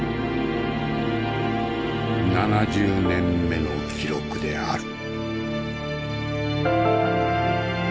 ７０年目の記録である。